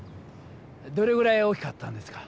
どれぐらい大きかったんですか？